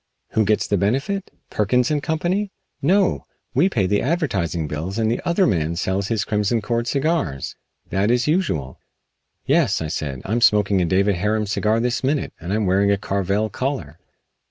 Who gets the benefit? Perkins & Co.? No! We pay the advertising bills and the other man sells his Crimson Cord cigars. That is usual." "Yes," I said, "I'm smoking a David Harum cigar this minute, and I am wearing a Carvel collar."